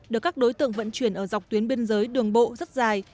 được các đối tượng vận chuyển ở dọc tuyến biên giới đường bộ rất dài